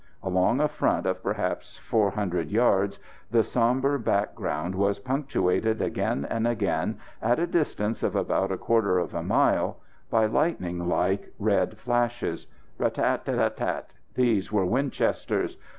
Along a front of perhaps 400 yards the sombre background was punctuated again and again, at a distance of about a quarter of a mile, by lightning like red flashes. Rat! tat! tat! tat!... These were Winchesters.